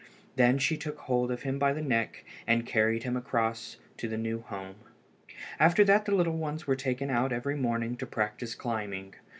Then she took hold of him by the neck and carried him across to the new home. After that the little ones were taken out every morning to practise climbing.